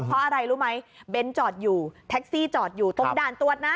เพราะอะไรรู้ไหมเบ้นจอดอยู่แท็กซี่จอดอยู่ตรงด่านตรวจนะ